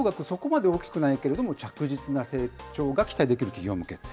そこまで大きくないけれども、着実な成長が期待できる企業向け。